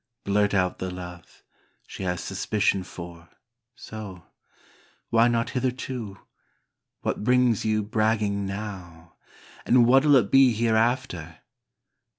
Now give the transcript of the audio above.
Blurt out the love, she has suspicion for, so? — why not hitherto? — what brings you bragging now? — and whatMl it be hereafter?